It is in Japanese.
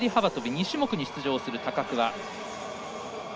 ２種目に出場する高桑。